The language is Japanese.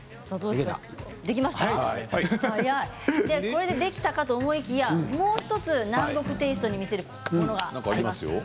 これでできたかと思いきやもう１つ南国テイストに何かありますよ。